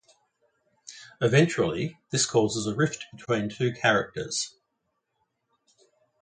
Eventually, this causes a rift between the two characters.